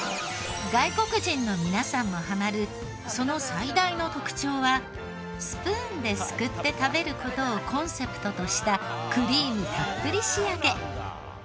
外国人の皆さんもハマるその最大の特徴はスプーンですくって食べる事をコンセプトとしたクリームたっぷり仕上げ。